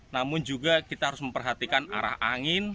namun juga kita harus memperhatikan arah angin